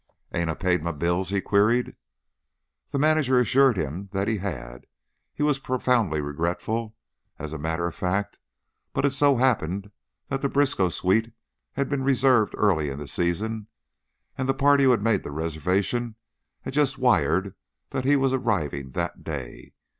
"'Ain't I paid my bills?" he queried. The manager assured him that he had; he was profoundly regretful, as a matter of fact; but it so happened that the Briskow suite had been reserved early in the season, and the party who had made the reservation had just wired that he was arriving that day.